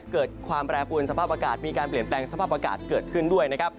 เกิดความแปรปวนสภาพอากาศมีการเปลี่ยนแปลงสภาพอากาศเกิดขึ้นด้วยนะครับ